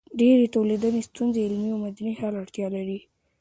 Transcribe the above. ډېری ټولنیزې ستونزې علمي او مدني حل ته اړتیا لري.